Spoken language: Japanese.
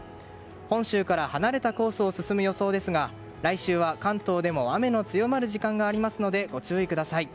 本州から離れたコースを進む予想ですが来週は関東でも雨の強まる時間がありますのでご注意ください。